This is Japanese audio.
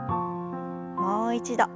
もう一度。